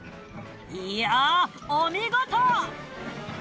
いやぁお見事！